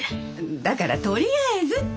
だからとりあえずって。